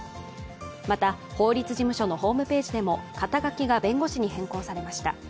また、法律事務所のホームページでも肩書が弁護士に変更されました。